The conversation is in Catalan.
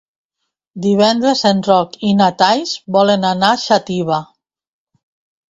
Divendres en Roc i na Thaís volen anar a Xàtiva.